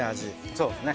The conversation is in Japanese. そうですね。